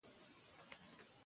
که حیا وي نو سترګې نه ټیټیږي.